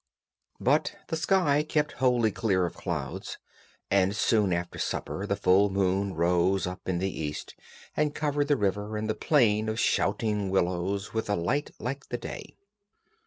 But the sky kept wholly clear of clouds, and soon after supper the full moon rose up in the east and covered the river and the plain of shouting willows with a light like the day.